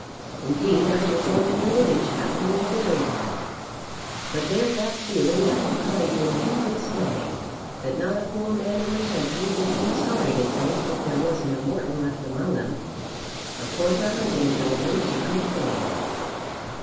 Indeed I was only a little chap when they buried him. But there's that feeling left behind him to this day, that not a poor man in the country wouldn't be sorry to think that there wasn't a Morton left among 'em. Of course a hunting gentleman is a good thing."